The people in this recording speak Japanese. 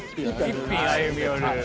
１品歩み寄る。